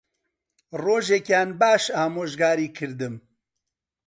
ڕۆژێکیان باش ئامۆژگاریی کردم